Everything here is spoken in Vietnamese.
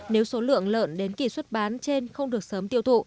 nếu số lượng lợn đến kỳ xuất bán trên không được sớm tiêu thụ